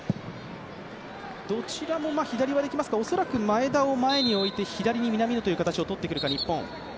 どちらも左はできますが前田を前に置いて左に南野という形をとってきますか、日本。